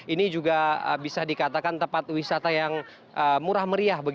ini juga bisa dikatakan tempat wisata yang murah meriah